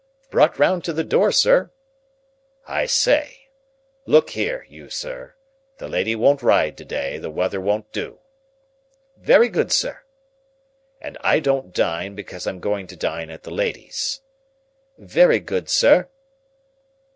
"Brought round to the door, sir." "I say. Look here, you sir. The lady won't ride to day; the weather won't do." "Very good, sir." "And I don't dine, because I'm going to dine at the lady's." "Very good, sir."